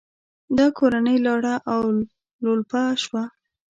دا کورنۍ لاړه او لولپه شوه.